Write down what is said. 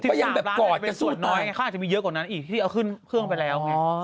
๑๓ล้านก็เป็นส่วนน้อยไงเขาอาจจะมีเยอะกว่านั้นอีกที่เอาขึ้นเครื่องไปแล้ว